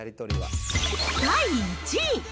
第１位。